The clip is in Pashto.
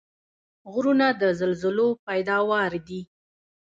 غرونه د زلزلو پیداوار دي.